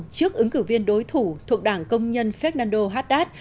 trước ứng cử viên đối thủ thuộc đảng công nhân fernando haddad